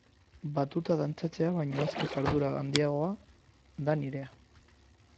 Batuta dantzatzea baino askoz ardura handiagoa da nirea.